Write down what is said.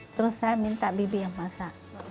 terus saya minta bibi yang masak